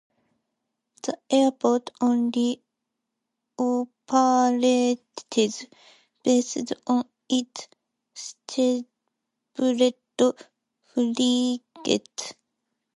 The airport only operates based on its scheduled flights.